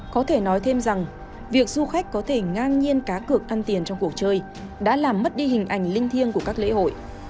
có thể nói thêm rằng việc du khách có thể ngang nhiên cá cược ăn tiền trong cuộc chơi đã làm mất đi hình ảnh linh thiêng của các lễ hội